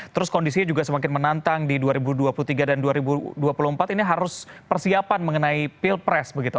terus kondisinya juga semakin menantang di dua ribu dua puluh tiga dan dua ribu dua puluh empat ini harus persiapan mengenai pilpres begitu